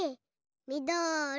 みどり！